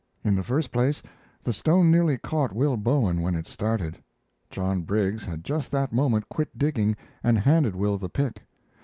In the first place, the stone nearly caught Will Bowen when it started. John Briggs had just that moment quit digging and handed Will the pick.